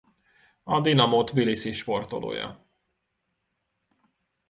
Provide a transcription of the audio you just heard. A Dinamo Tbiliszi sportolója.